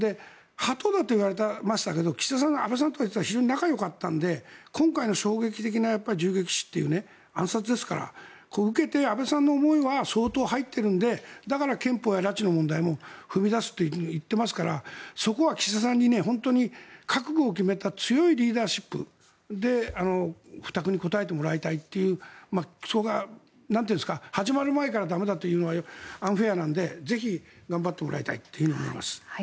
ハト派といわれてましたが岸田さんは安倍さんと仲がよかったので今回の衝撃的な銃撃死という暗殺を受けて、安倍さんの思いは相当入っているのでだから憲法や拉致の問題も踏み出すといっていますからそこは岸田さんに覚悟を決めた強いリーダーシップで負託に応えてもらいたいというそこが始まる前から駄目だというのはアンフェアなのでぜひ頑張ってもらいたいと思います。